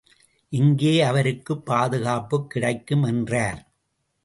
இங்கே அவருக்குப் பாதுகாப்புக் கிடைக்கும் என்றார்.